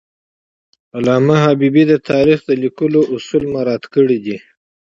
علامه حبیبي د تاریخ د لیکلو اصول مراعات کړي دي.